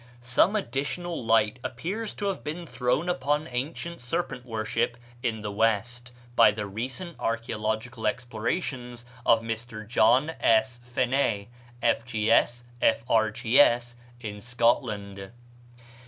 Some additional light appears to have been thrown upon ancient serpent worship in the West by the recent archæological explorations of Mr. John S. Phené, F.G.S., F.R.G.S., in Scotland.